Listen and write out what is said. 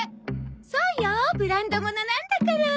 そうよブランドものなんだから！